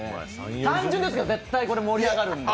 単純ですけどこれ絶対盛り上がるんで。